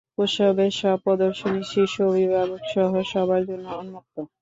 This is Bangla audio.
উৎসবের সব প্রদর্শনী শিশু, অভিভাবকসহ সবার জন্য উন্মুক্ত।